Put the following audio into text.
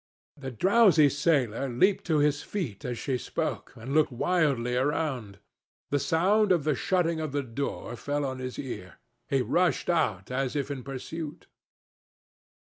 The drowsy sailor leaped to his feet as she spoke, and looked wildly round. The sound of the shutting of the hall door fell on his ear. He rushed out as if in pursuit.